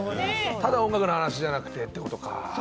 ただの音楽の話じゃなくてってことか。